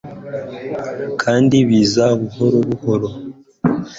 kandi biza buhoro buhoro